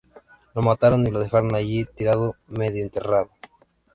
Lo mataron y lo dejaron allí tirado, medio enterrado…".